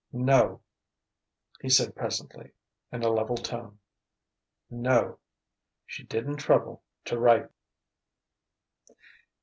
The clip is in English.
"No," he said presently, in a level tone: "no she didn't trouble to write me."